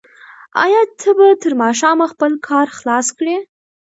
آیا ته به تر ماښامه خپل کار خلاص کړې؟